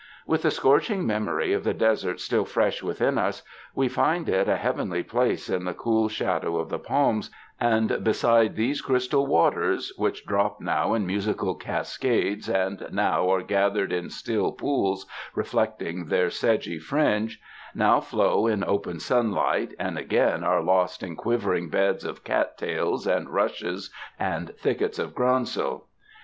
With the scorching memory of the desert still fresh within us, we find it a heavenly place in the cool shadow of the palms and beside these crystal waters, which drop now in musical cascades and now are gathered in still pools reflecting their sedgy fringes; now flow in open sunlight, and again are lost in quivering beds of cat tails and rushes and thickets of groundsel.